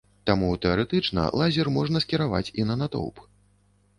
Таму тэарэтычна лазер можна скіраваць і на натоўп.